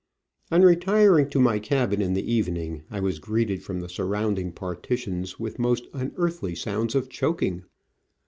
On retiring to my cabin in the evening, I was greeted from the surrounding partitions with most unearthly sounds of choking.